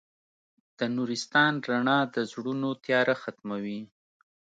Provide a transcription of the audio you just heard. د نورستان رڼا د زړونو تیاره ختموي.